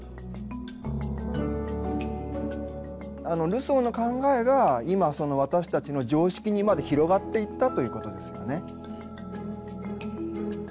ルソーの考えが今私たちの常識にまで広がっていったということですよね。